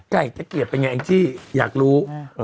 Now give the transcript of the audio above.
ไก่ตะเกียบเป็นอย่างไรอยากรู้